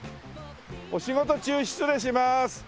お仕事中失礼します！